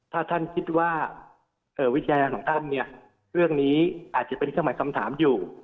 ถ้าท่านคิดว่าวิจารณ์ของท่านเนี่ยเรื่องนี้อาจจะเป็นเครื่องหมายคำถามอยู่